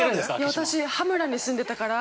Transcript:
◆私、羽村に住んでたから。